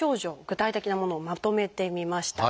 具体的なものをまとめてみました。